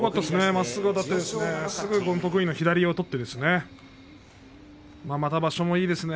まっすぐ立って得意の左を取ってですね。